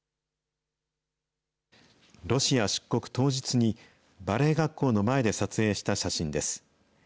ロシア出国当日に、バレエ学校の前で撮影した写真です。